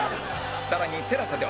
更に ＴＥＬＡＳＡ では